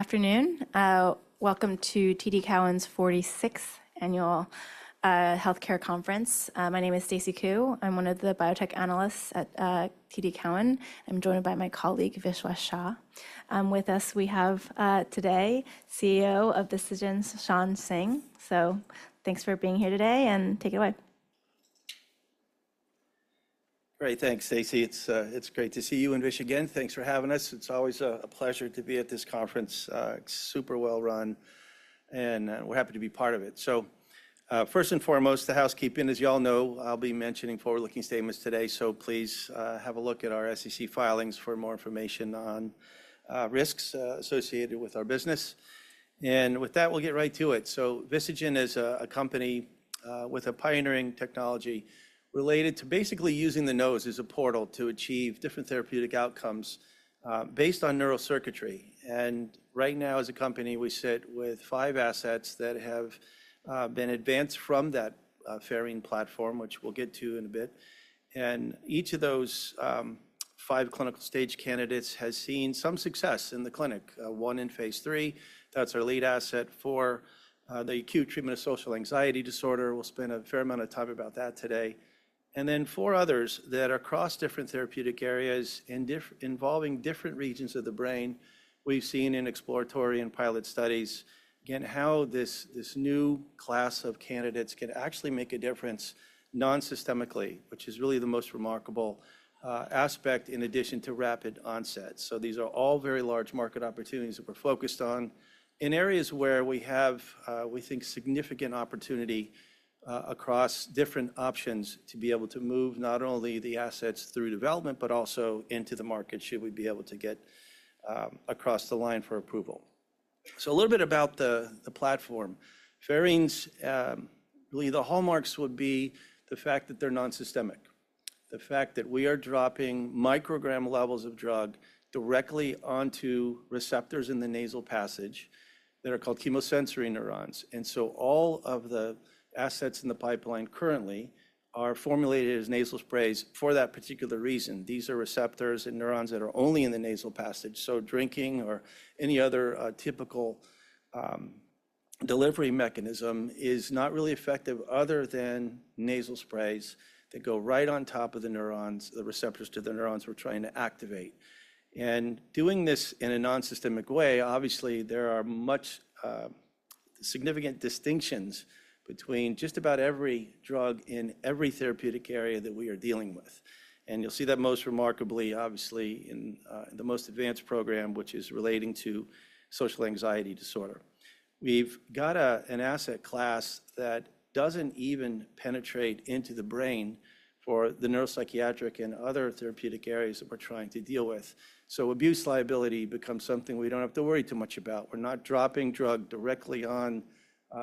Afternoon. Welcome to TD Cowen's 46th Annual Healthcare Conference. My name is Stacy Ku. I'm one of the Biotech Analysts at TD Cowen. I'm joined by my colleague, Vishwesh Shah. With us, we have today, CEO of Vistagen, Shawn Singh. Thanks for being here today, and take it away. Great. Thanks, Stacy. It's, it's great to see you and Vish again. Thanks for having us. It's always a pleasure to be at this conference. It's super well run and we're happy to be part of it. First and foremost, the housekeeping. As you all know, I'll be mentioning forward-looking statements today, so please have a look at our SEC filings for more information on risks associated with our business. With that, we'll get right to it. Vistagen is a company with a pioneering technology related to basically using the nose as a portal to achieve different therapeutic outcomes based on neural circuitry. Right now, as a company, we sit with five assets that have been advanced from that pherine platform, which we'll get to in a bit. Each of those, five clinical stage candidates has seen some success in the clinic. One in phase III, that's our lead asset for the acute treatment of social anxiety disorder. We'll spend a fair amount of time about that today. Four others that are across different therapeutic areas involving different regions of the brain, we've seen in exploratory and pilot studies, again, how this new class of candidates can actually make a difference non-systemically, which is really the most remarkable aspect in addition to rapid onset. These are all very large market opportunities that we're focused on in areas where we have, we think, significant opportunity across different options to be able to move not only the assets through development, but also into the market, should we be able to get across the line for approval. A little bit about the platform. Pherine's really the hallmarks would be the fact that they're non-systemic. The fact that we are dropping microgram levels of drug directly onto receptors in the nasal passage that are called chemosensory neurons. All of the assets in the pipeline currently are formulated as nasal sprays for that particular reason. These are receptors and neurons that are only in the nasal passage, so drinking or any other typical delivery mechanism is not really effective other than nasal sprays that go right on top of the neurons, the receptors to the neurons we're trying to activate. Doing this in a non-systemic way, obviously, there are much significant distinctions between just about every drug in every therapeutic area that we are dealing with. You'll see that most remarkably, obviously, in the most advanced program, which is relating to social anxiety disorder. We've got an asset class that doesn't even penetrate into the brain for the neuropsychiatric and other therapeutic areas that we're trying to deal with. Abuse liability becomes something we don't have to worry too much about. We're not dropping drug directly on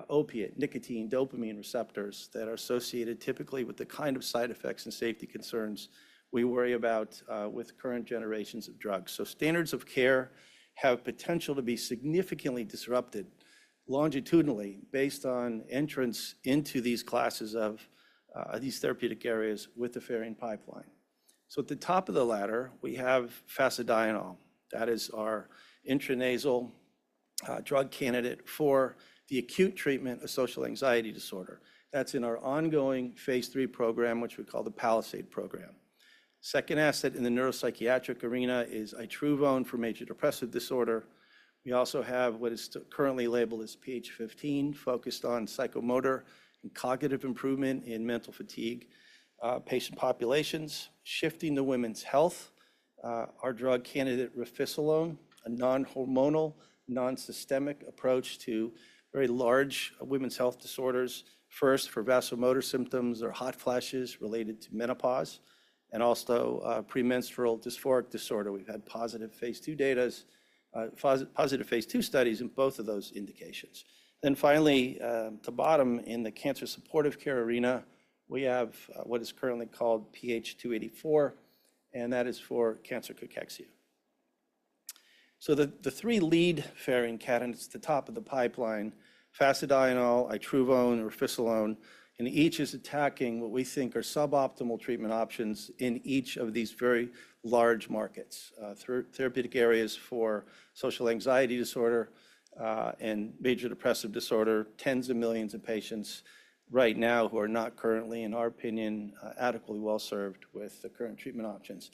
opiate, nicotine, dopamine receptors that are associated typically with the kind of side effects and safety concerns we worry about with current generations of drugs. Standards of care have potential to be significantly disrupted longitudinally based on entrance into these classes of these therapeutic areas with the pherine pipeline. At the top of the ladder, we have Fasedienol. That is our intranasal drug candidate for the acute treatment of social anxiety disorder. That's in our ongoing phase III program, which we call the PALISADE program. Second asset in the neuropsychiatric arena is Itruvone for major depressive disorder. We also have what is currently labeled as PH15, focused on psychomotor and cognitive improvement in mental fatigue, patient populations. Shifting to women's health, our drug candidate Refisolone, a non-hormonal, non-systemic approach to very large women's health disorders. First, for vasomotor symptoms or hot flashes related to menopause and also, premenstrual dysphoric disorder. We've had positive phase II studies in both of those indications. Finally, at the bottom in the cancer supportive care arena, we have what is currently called PH284, and that is for cancer cachexia. The three lead pherine candidates at the top of the pipeline, Fasedienol, Itruvone, or Refisolone, each is attacking what we think are suboptimal treatment options in each of these very large markets. Therapeutic areas for social anxiety disorder, and major depressive disorder, tens of millions of patients right now who are not currently, in our opinion, adequately well-served with the current treatment options.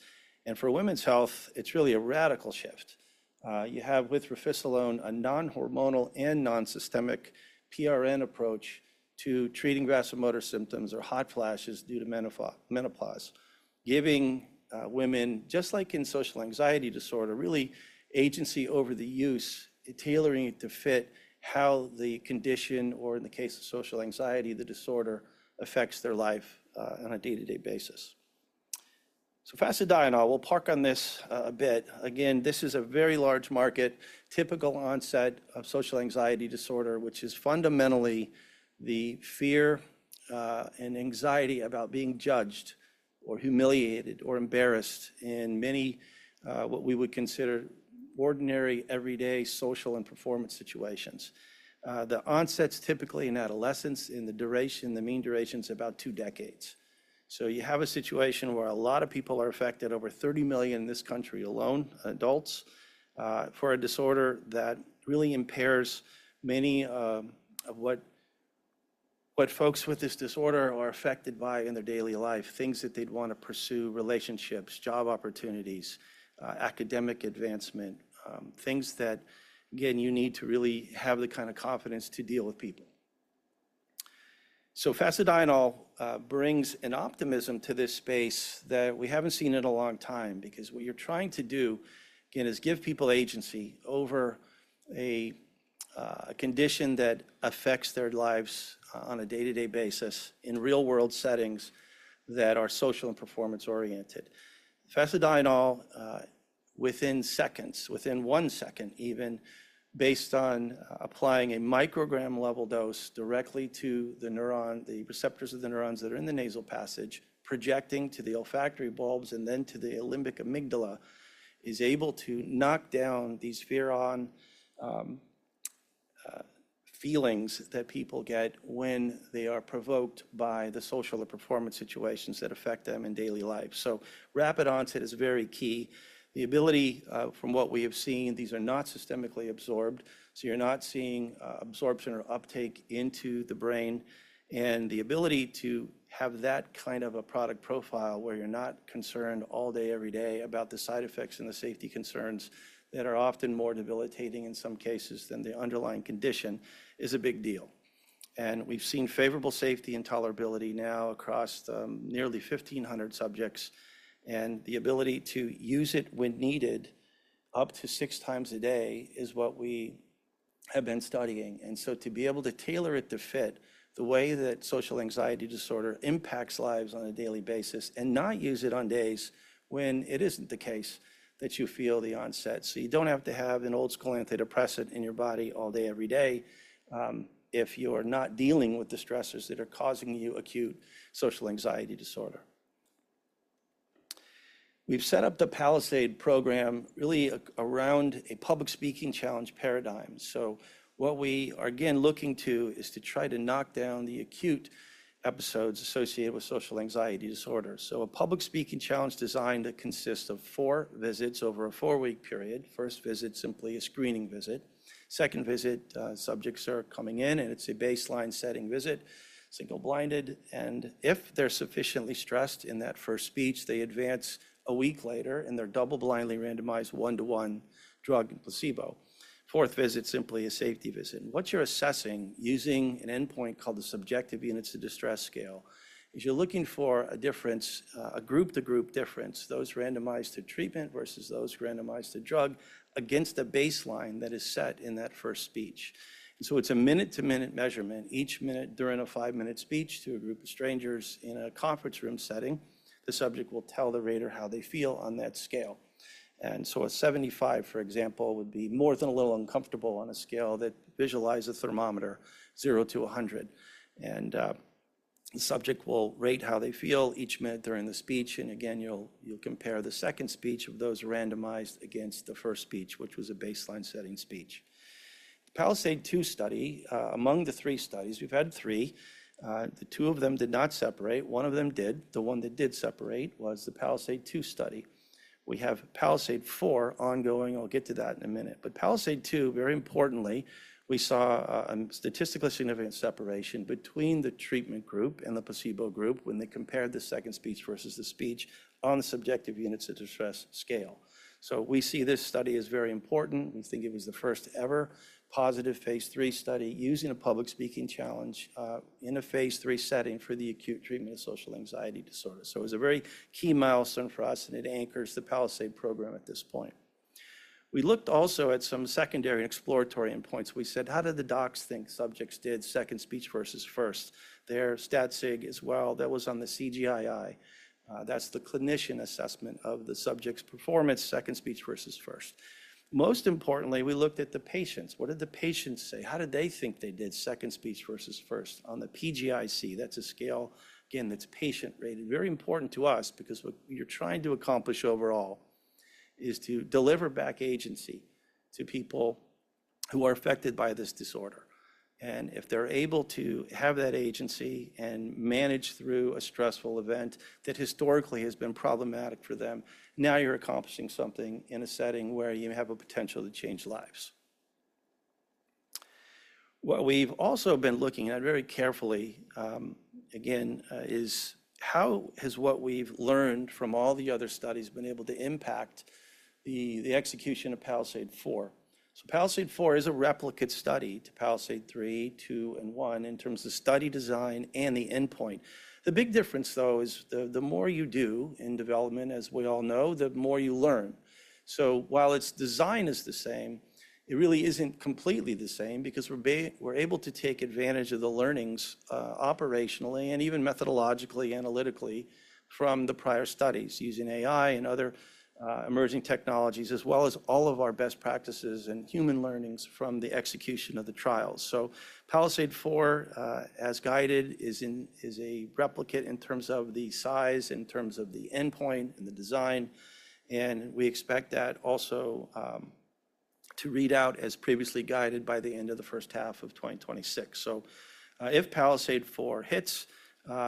For women's health, it's really a radical shift. You have with Refisolone a non-hormonal and non-systemic PRN approach to treating vasomotor symptoms or hot flashes due to menopause, giving women, just like in social anxiety disorder, really agency over the use, tailoring it to fit how the condition, or in the case of social anxiety, the disorder affects their life on a day-to-day basis. Fasedienol, we'll park on this a bit. Again, this is a very large market, typical onset of social anxiety disorder, which is fundamentally the fear, and anxiety about being judged or humiliated or embarrassed in many, what we would consider ordinary, everyday social and performance situations. The onset's typically in adolescence. In the duration, the mean duration's about two decades. You have a situation where a lot of people are affected, over 30 million in this country alone, adults, for a disorder that really impairs many, of what folks with this disorder are affected by in their daily life, things that they'd want to pursue, relationships, job opportunities, academic advancement, things that, again, you need to really have the kind of confidence to deal with people. Fasedienol brings an optimism to this space that we haven't seen in a long time because what you're trying to do again is give people agency over a condition that affects their lives on a day-to-day basis in real-world settings that are social and performance-oriented. Fasedienol, within seconds, within one second even, based on applying a microgram-level dose directly to the neuron, the receptors of the neurons that are in the nasal passage, projecting to the olfactory bulbs and then to the limbic amygdala, is able to knock down these fear on feelings that people get when they are provoked by the social or performance situations that affect them in daily life. Rapid onset is very key. The ability, from what we have seen, these are not systemically absorbed, so you're not seeing absorption or uptake into the brain. The ability to have that kind of a product profile where you're not concerned all day every day about the side effects and the safety concerns that are often more debilitating in some cases than the underlying condition is a big deal. We've seen favorable safety and tolerability now across nearly 1,500 subjects, and the ability to use it when needed up to six times a day is what we have been studying. To be able to tailor it to fit the way that social anxiety disorder impacts lives on a daily basis and not use it on days when it isn't the case that you feel the onset. You don't have to have an old-school antidepressant in your body all day, every day, if you're not dealing with the stressors that are causing you acute social anxiety disorder. We've set up the PALISADE program really around a public speaking challenge paradigm. What we are, again, looking to is to try to knock down the acute episodes associated with social anxiety disorder. A public speaking challenge design that consists of four visits over a four-week period. First visit, simply a screening visit. Second visit, subjects are coming in, and it's a baseline setting visit, single-blinded. If they're sufficiently stressed in that first speech, they advance a week later, and they're double-blindly randomized 1-to-1 drug and placebo. Fourth visit, simply a safety visit. What you're assessing using an endpoint called the Subjective Units of Distress Scale is you're looking for a difference, a group to group difference, those randomized to treatment versus those randomized to drug against a baseline that is set in that first speech. It's a minute-to-minute measurement. Each minute during a five-minute speech to a group of strangers in a conference room setting, the subject will tell the rater how they feel on that scale. A 75, for example, would be more than a little uncomfortable on a scale that visualize a thermometer 0 to 100. The subject will rate how they feel each minute during the speech, and again, you'll compare the second speech of those randomized against the first speech, which was a baseline setting speech. The PALISADE-2 study, among the three studies, we've had three, the two of them did not separate. One of them did. The one that did separate was the PALISADE-2 study. We have PALISADE-4 ongoing. I'll get to that in a minute. PALISADE-2, very importantly, we saw a statistically significant separation between the treatment group and the placebo group when they compared the second speech versus the speech on the Subjective Units of Distress Scale. We see this study as very important. We think it was the first ever positive phase III study using a public speaking challenge in a phase III setting for the acute treatment of social anxiety disorder. It was a very key milestone for us, and it anchors the PALISADE program at this point. We looked also at some secondary exploratory endpoints. We said, "How did the docs think subjects did second speech versus first?" Their STAT-sig as well. That was on the CGI-I. That's the clinician assessment of the subject's performance, second speech versus first. Most importantly, we looked at the patients. What did the patients say? How did they think they did second speech versus first on the PGIC? That's a scale, again, that's patient-rated. Very important to us because what you're trying to accomplish overall is to deliver back agency to people who are affected by this disorder. If they're able to have that agency and manage through a stressful event that historically has been problematic for them, now you're accomplishing something in a setting where you have a potential to change lives. What we've also been looking at very carefully, again, is how has what we've learned from all the other studies been able to impact the execution of PALISADE-4. PALISADE-4 is a replicate study to PALISADE-3, 2, and 1 in terms of study design and the endpoint. The big difference, though, is the more you do in development, as we all know, the more you learn. While its design is the same, it really isn't completely the same because we're able to take advantage of the learnings, operationally and even methodologically, analytically from the prior studies using AI and other emerging technologies as well as all of our best practices and human learnings from the execution of the trials. PALISADE-4, as guided, is a replicate in terms of the size, in terms of the endpoint and the design, and we expect that also To read out as previously guided by the end of the first half of 2026. If PALISADE-4 hits,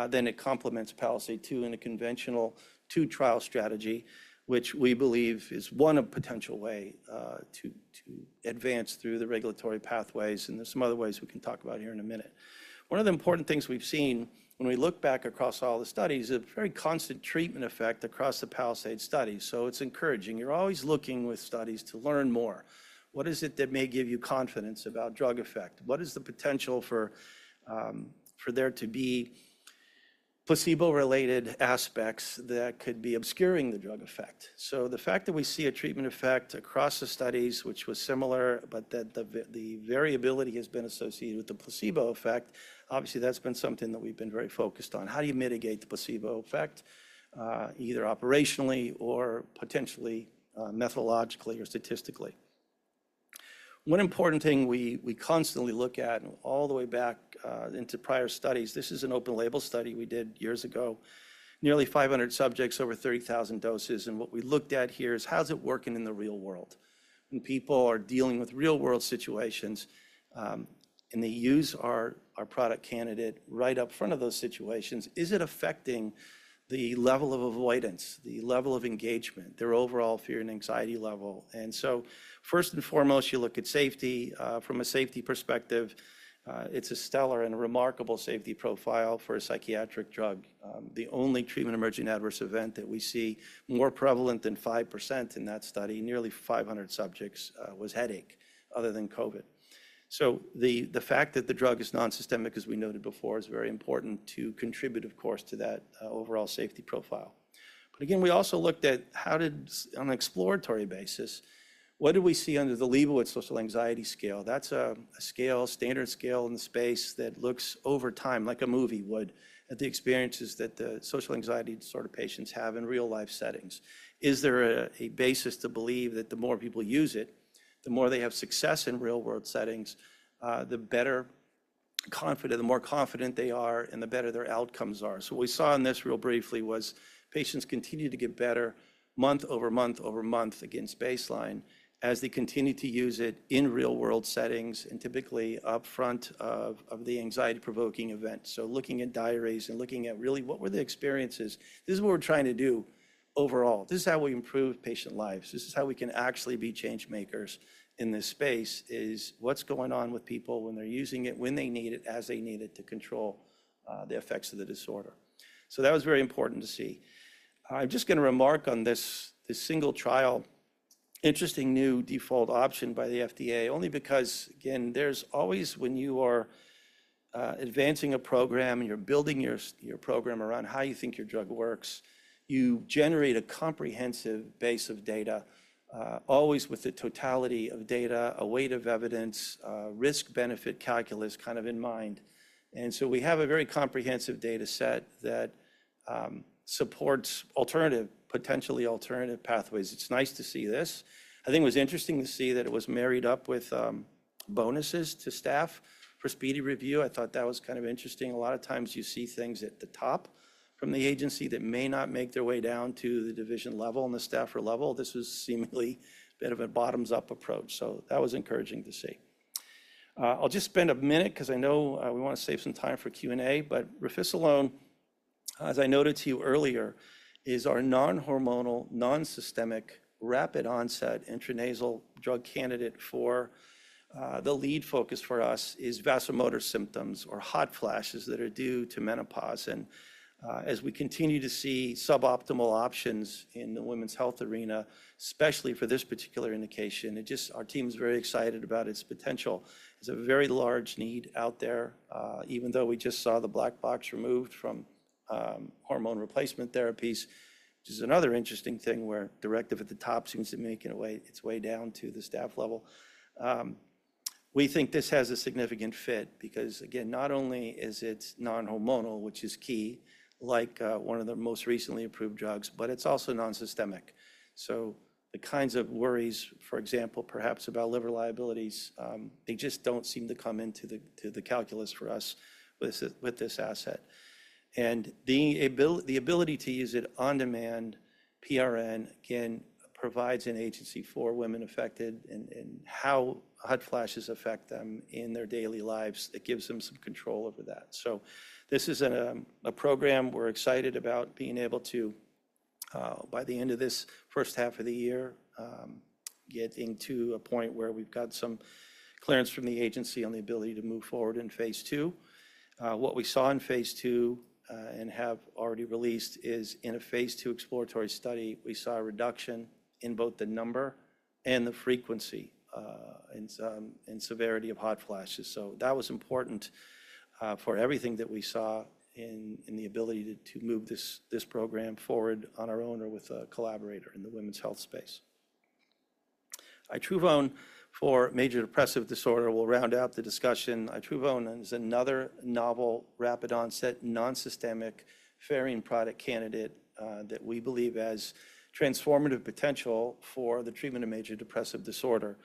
then it complements PALISADE-2 in a conventional two-trial strategy, which we believe is one potential way to advance through the regulatory pathways, and there's some other ways we can talk about here in a minute. One of the important things we've seen when we look back across all the studies, a very constant treatment effect across the PALISADE studies. It's encouraging. You're always looking with studies to learn more. What is it that may give you confidence about drug effect? What is the potential for there to be placebo-related aspects that could be obscuring the drug effect? The fact that we see a treatment effect across the studies, which was similar, but that the variability has been associated with the placebo effect, obviously, that's been something that we've been very focused on. How do you mitigate the placebo effect, either operationally or potentially, methodologically or statistically? One important thing we constantly look at all the way back into prior studies, this is an open label study we did years ago. Nearly 500 subjects, over 30,000 doses, what we looked at here is: How is it working in the real world? When people are dealing with real-world situations, and they use our product candidate right up front of those situations, is it affecting the level of avoidance, the level of engagement, their overall fear and anxiety level? First and foremost, you look at safety. From a safety perspective, it's a stellar and a remarkable safety profile for a psychiatric drug. The only treatment-emergent adverse event that we see more prevalent than 5% in that study, nearly 500 subjects, was headache other than COVID. The fact that the drug is non-systemic, as we noted before, is very important to contribute, of course, to that, overall safety profile. Again, we also looked at how did on an exploratory basis, what do we see under the Liebowitz Social Anxiety Scale? That's a scale, standard scale in the space that looks over time, like a movie would, at the experiences that the social anxiety disorder patients have in real-life settings. Is there a basis to believe that the more people use it, the more they have success in real-world settings, the more confident they are, and the better their outcomes are. What we saw in this real briefly was patients continue to get better month over month over month against baseline as they continue to use it in real-world settings and typically upfront of the anxiety-provoking event. Looking at diaries and looking at really what were the experiences. This is what we're trying to do overall. This is how we improve patient lives. This is how we can actually be change-makers in this space is what's going on with people when they're using it, when they need it, as they need it to control the effects of the disorder. That was very important to see. I'm just gonna remark on this single trial, interesting new default option by the FDA, only because, again, there's always when you are advancing a program and you're building your program around how you think your drug works, you generate a comprehensive base of data, always with the totality of data, a weight of evidence, risk-benefit calculus kind of in mind. We have a very comprehensive data set that supports alternative, potentially alternative pathways. It's nice to see this. I think it was interesting to see that it was married up with bonuses to staff for speedy review. I thought that was kind of interesting. A lot of times you see things at the top from the agency that may not make their way down to the division level and the staffer level. This was seemingly a bit of a bottoms-up approach. That was encouraging to see. I'll just spend a minute 'cause I know we wanna save some time for Q&A. Refisolone, as I noted to you earlier, is our non-hormonal, non-systemic, rapid onset intranasal drug candidate for the lead focus for us is vasomotor symptoms or hot flashes that are due to menopause. As we continue to see suboptimal options in the women's health arena, especially for this particular indication, our team is very excited about its potential. There's a very large need out there, even though we just saw the black box removed from hormone replacement therapies, which is another interesting thing where directive at the top seems to making its way down to the staff level. We think this has a significant fit because, again, not only is it non-hormonal, which is key, like, one of the most recently approved drugs, but it's also non-systemic. The kinds of worries, for example, perhaps about liver liabilities, they just don't seem to come into the, to the calculus for us with this, with this asset. The ability to use it on demand, PRN, again, provides an agency for women affected and how hot flashes affect them in their daily lives that gives them some control over that. This is a program we're excited about being able to by the end of this first half of the year, getting to a point where we've got some clearance from the agency on the ability to move forward in phase II. What we saw in phase II, and have already released is in a phase II exploratory study, we saw a reduction in both the number and the frequency, and some, and severity of hot flashes. That was important for everything that we saw in the ability to move this program forward on our own or with a collaborator in the women's health space. Itruvone for major depressive disorder will round out the discussion. Itruvone is another novel, rapid onset, non-systemic, pherine product candidate that we believe has transformative potential for the treatment of major depressive disorder.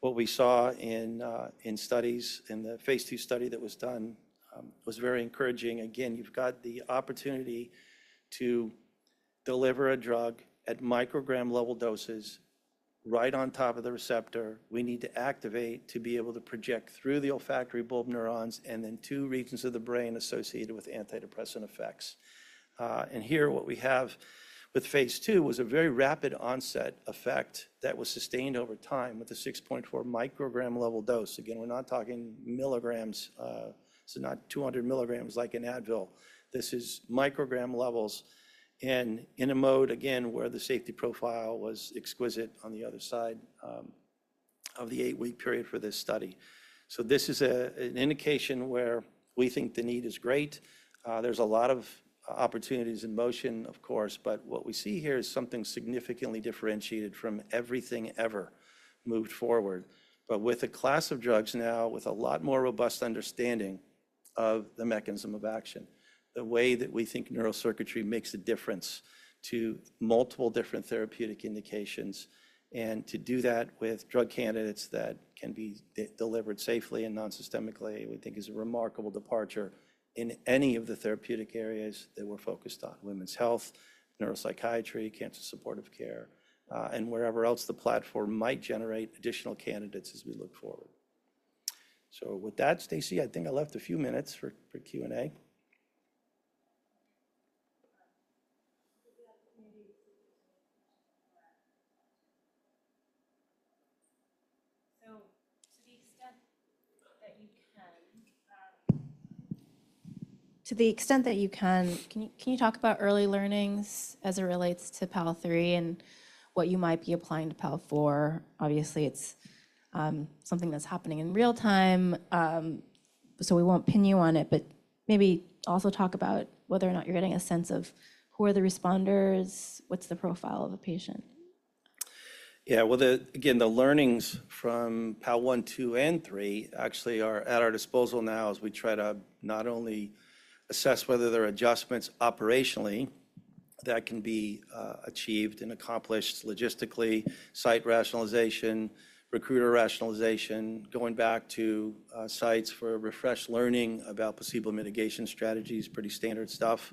What we saw in studies, in the phase II study that was done, was very encouraging. Again, you've got the opportunity to deliver a drug at microgram level doses right on top of the receptor we need to activate to be able to project through the olfactory bulb neurons and then two regions of the brain associated with antidepressant effects. Here what we have with phase II was a very rapid onset effect that was sustained over time with a 6.4 microgram level dose. Again, we're not talking milligrams, so not 200 mg like in Advil. This is microgram levels and in a mode again where the safety profile was exquisite on the other side of the 8-week period for this study. This is a, an indication where we think the need is great. There's a lot of opportunities in motion of course, but what we see here is something significantly differentiated from everything ever moved forward. With a class of drugs now with a lot more robust understanding of the mechanism of action, the way that we think neural circuitry makes a difference to multiple different therapeutic indications and to do that with drug candidates that can be de-delivered safely and non-systemically, we think is a remarkable departure in any of the therapeutic areas that we're focused on: women's health, neuropsychiatry, cancer supportive care, and wherever else the platform might generate additional candidates as we look forward. With that, Stacy, I think I left a few minutes for Q&A. To the extent that you can you talk about early learnings as it relates to PALISADE-3 and what you might be applying to PALISADE-4? Obviously, it's something that's happening in real time. We won't pin you on it, but maybe also talk about whether or not you're getting a sense of who are the responders, what's the profile of a patient. Well, again, the learnings from PALISADE-1, 2, and 3 actually are at our disposal now as we try to not only assess whether there are adjustments operationally that can be achieved and accomplished logistically, site rationalization, recruiter rationalization, going back to sites for refreshed learning about placebo mitigation strategies, pretty standard stuff.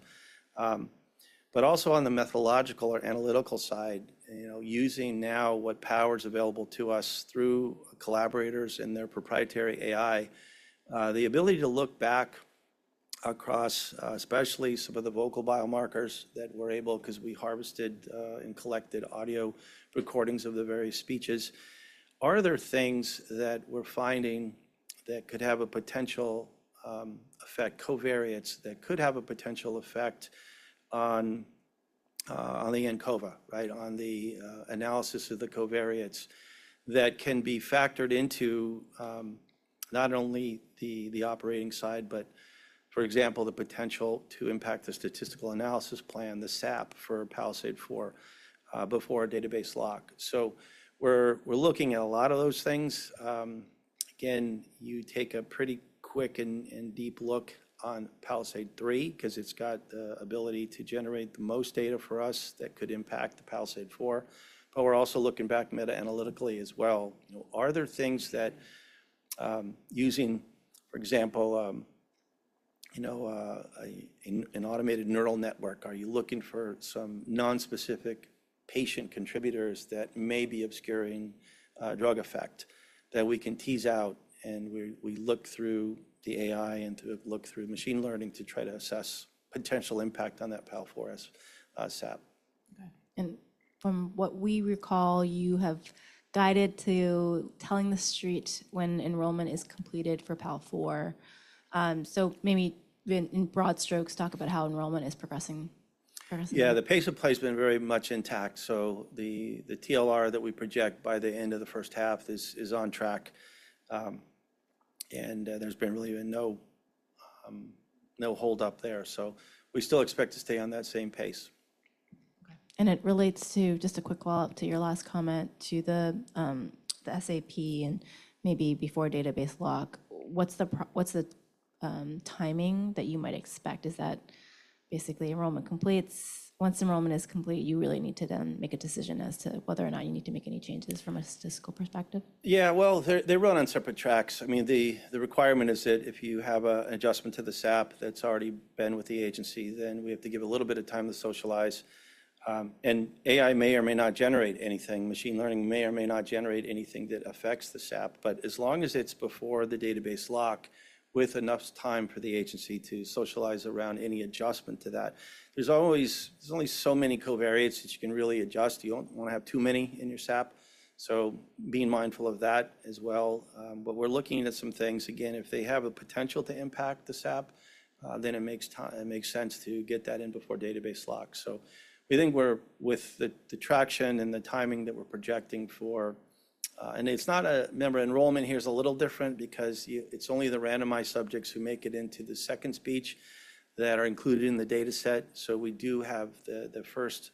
Also on the methodological or analytical side, you know, using now what power is available to us through collaborators and their proprietary AI. The ability to look back across especially some of the vocal biomarkers that we're able because we harvested and collected audio recordings of the various speeches. Are there things that we're finding that could have a potential effect covariates that could have a potential effect on the ANCOVA, right? The analysis of the covariates that can be factored into not only the operating side, but for example, the potential to impact the statistical analysis plan, the SAP for PALISADE 4, before a database lock. We're looking at a lot of those things. Again, you take a pretty quick and deep look on PALISADE 3 'cause it's got the ability to generate the most data for us that could impact the PALISADE 4. We're also looking back meta-analytically as well. You know, are there things that, using, for example, you know, an automated neural network, are you looking for some non-specific patient contributors that may be obscuring a drug effect that we can tease out and we look through the AI and to have looked through machine learning to try to assess potential impact on that PALISADE-4, SAP? Okay. From what we recall, you have guided to telling the street when enrollment is completed for PALISADE-4. Maybe in broad strokes, talk about how enrollment is progressing for us. Yeah. The pace of play has been very much intact. The TLR that we project by the end of the first half is on track. There's been really no hold up there. We still expect to stay on that same pace. Okay. It relates to just a quick follow-up to your last comment to the SAP and maybe before database lock. What's the timing that you might expect? Is that basically Once enrollment is complete, you really need to then make a decision as to whether or not you need to make any changes from a statistical perspective. Yeah. Well, they run on separate tracks. I mean, the requirement is that if you have an adjustment to the SAP that's already been with the agency, then we have to give a little bit of time to socialize. AI may or may not generate anything. Machine learning may or may not generate anything that affects the SAP. As long as it's before the database lock with enough time for the agency to socialize around any adjustment to that, there's always, there's only so many covariates that you can really adjust. You don't wanna have too many in your SAP. Being mindful of that as well. We're looking at some things. Again, if they have a potential to impact the SAP, then it makes sense to get that in before database lock. We think we're with the traction and the timing that we're projecting for. Remember, enrollment here is a little different because it's only the randomized subjects who make it into the second speech that are included in the dataset. We do have the first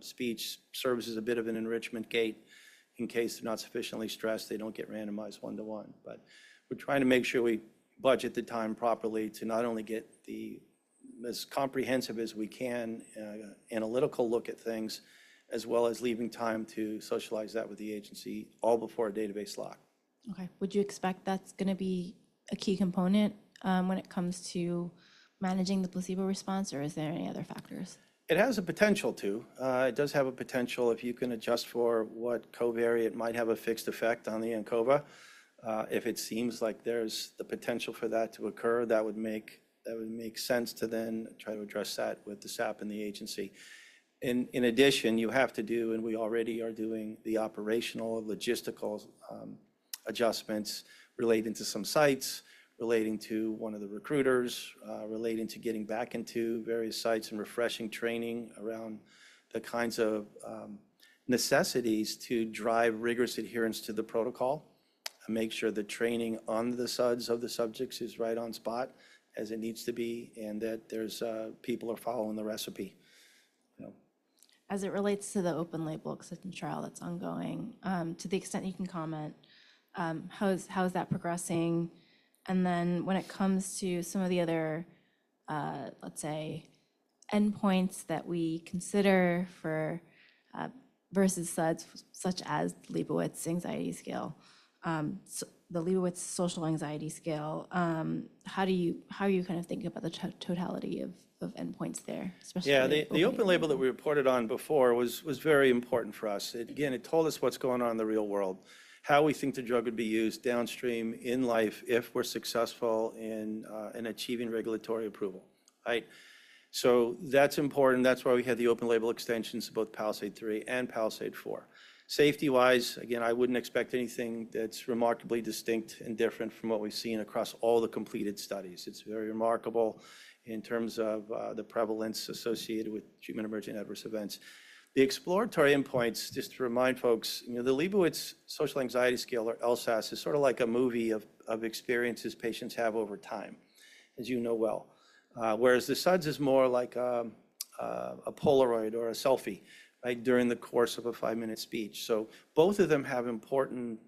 speech serves as a bit of an enrichment gate. In case they're not sufficiently stressed, they don't get randomized 1-to-1. We're trying to make sure we budget the time properly to not only get the as comprehensive as we can analytical look at things, as well as leaving time to socialize that with the agency all before a database lock. Okay. Would you expect that's gonna be a key component, when it comes to managing the placebo response, or is there any other factors? It has a potential to. It does have a potential if you can adjust for what covariate might have a fixed effect on the ANCOVA. If it seems like there's the potential for that to occur, that would make sense to then try to address that with the SAP and the agency. In addition, you have to do, and we already are doing the operational logistical adjustments relating to some sites, relating to one of the recruiters, relating to getting back into various sites and refreshing training around the kinds of necessities to drive rigorous adherence to the protocol and make sure the training on the SUDS of the subjects is right on spot as it needs to be and that there's people are following the recipe, you know. As it relates to the open label extension trial that's ongoing, to the extent you can comment, how is that progressing? When it comes to some of the other, let's say, endpoints that we consider for versus SUDS such as the Liebowitz Social Anxiety Scale, how do you, how are you kind of thinking about the totality of endpoints there, especially... Yeah. The open label that we reported on before was very important for us. It again, it told us what's going on in the real world, how we think the drug would be used downstream in life if we're successful in achieving regulatory approval, right? That's important. That's why we had the open label extensions to both PALISADE-3 and PALISADE-4. Safety-wise, again, I wouldn't expect anything that's remarkably distinct and different from what we've seen across all the completed studies. It's very remarkable in terms of the prevalence associated with treatment-emergent adverse events. The exploratory endpoints, just to remind folks, you know, the Liebowitz Social Anxiety Scale or LSAS is sort of like a movie of experiences patients have over time, as you know well. Whereas the SUDS is more like a Polaroid or a selfie, right, during the course of a 5-minute speech. Both of them have important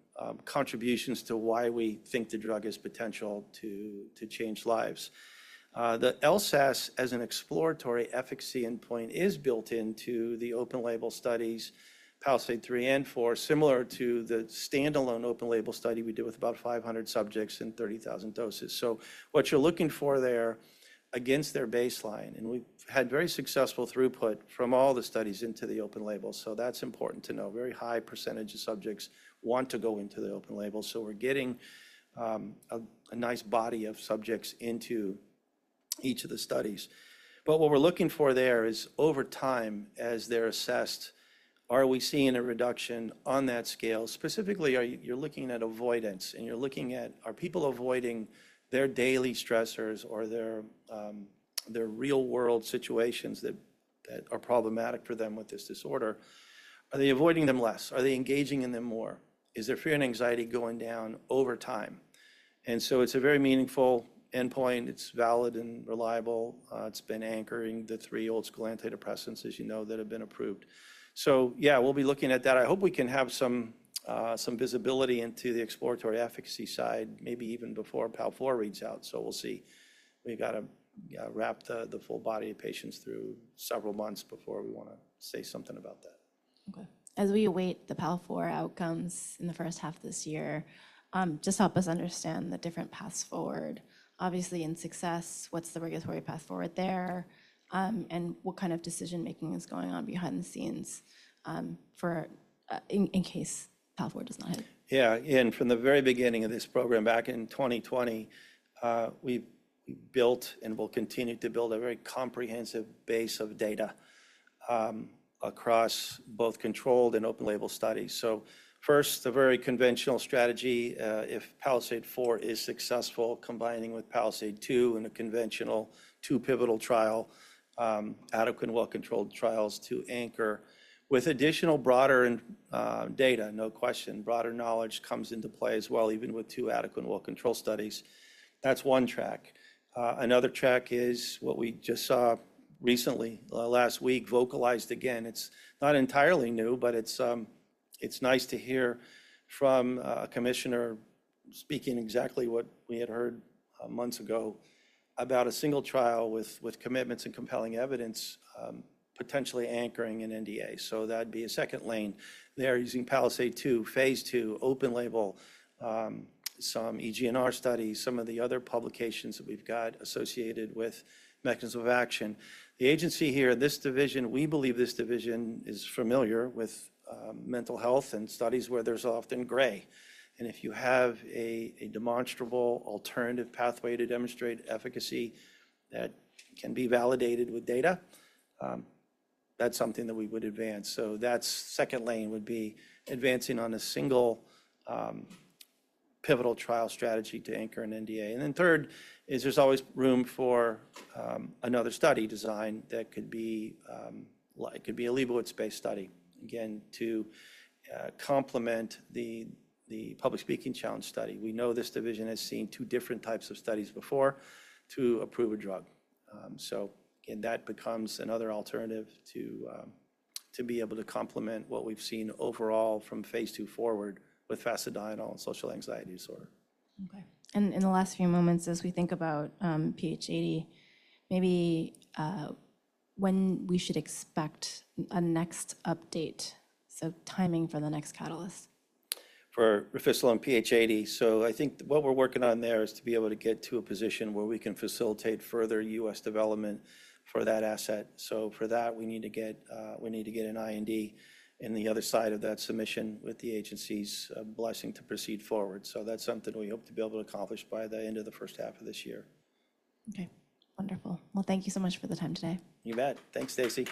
contributions to why we think the drug has potential to change lives. The LSAS, as an exploratory efficacy endpoint, is built into the open label studies PALISADE-3 and 4, similar to the standalone open label study we do with about 500 subjects and 30,000 doses. What you're looking for there against their baseline, and we've had very successful throughput from all the studies into the open label. That's important to know. A very high percentage of subjects want to go into the open label. We're getting a nice body of subjects into each of the studies. What we're looking for there is, over time, as they're assessed, are we seeing a reduction on that scale? Specifically, you're looking at avoidance, and you're looking at are people avoiding their daily stressors or their real-world situations that are problematic for them with this disorder. Are they avoiding them less? Are they engaging in them more? Is their fear and anxiety going down over time? It's a very meaningful endpoint. It's valid and reliable. It's been anchoring the three old school antidepressants, as you know, that have been approved. Yeah, we'll be looking at that. I hope we can have some visibility into the exploratory efficacy side, maybe even before PALISADE-4 reads out. We'll see. We've gotta wrap the full body of patients through several months before we wanna say something about that. Okay. As we await the PALISADE-4 outcomes in the first half of this year, just help us understand the different paths forward. Obviously, in success, what's the regulatory path forward there, and what kind of decision-making is going on behind the scenes, for, in case PALISADE-4 does not hit? Yeah. From the very beginning of this program back in 2020, we built and will continue to build a very comprehensive base of data across both controlled and open label studies. First, the very conventional strategy, if PALISADE-4 is successful, combining with PALISADE-2 in a conventional two pivotal trial, adequate and well-controlled trials to anchor with additional broader and data. No question. Broader knowledge comes into play as well, even with two adequate and well-controlled studies. That's one track. Another track is what we just saw recently last week vocalized again. It's not entirely new, but it's nice to hear from a commissioner speaking exactly what we had heard months ago about a single trial with commitments and compelling evidence potentially anchoring an NDA. That'd be a second lane there using PALISADE-2, phase II, open label, some EGNR studies, some of the other publications that we've got associated with mechanisms of action. The agency here, this division, we believe this division is familiar with mental health and studies where there's often gray. If you have a demonstrable alternative pathway to demonstrate efficacy that can be validated with data, that's something that we would advance. That's second lane would be advancing on a single pivotal trial strategy to anchor an NDA. Third is there's always room for another study design that could be like could be a Liebowitz-based study, again, to complement the public speaking challenge study. We know this division has seen two different types of studies before to approve a drug. That becomes another alternative to be able to complement what we've seen overall from phase II forward with Fasedienol and social anxiety disorder. Okay. In the last few moments, as we think about PH80, maybe, when we should expect a next update, so timing for the next catalyst? For Refisolone PH80. I think what we're working on there is to be able to get to a position where we can facilitate further U.S. development for that asset. For that, we need to get, we need to get an IND in the other side of that submission with the agency's blessing to proceed forward. That's something we hope to be able to accomplish by the end of the first half of this year. Okay. Wonderful. Well, thank you so much for the time today. You bet. Thanks, Stacy.